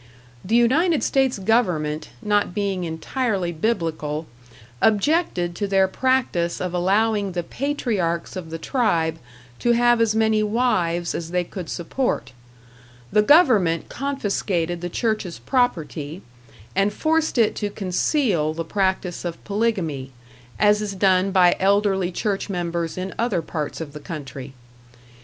The United States government, not being entirely Biblical, objected to their practice of allowing the patriarchs of the tribe to have as many wives as they could support; the government confiscated the church's property, and forced it to conceal the practice of polygamy, as is done by elderly church members in other parts of the country.